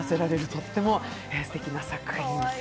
とってもすてきな作品です。